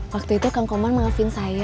waktu itu kang koman maafin saya